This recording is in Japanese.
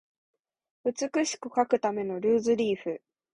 美しく書くためのルーズリーフ